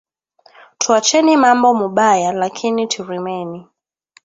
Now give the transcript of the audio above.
Twacheni mambo mubaya lakini turimeni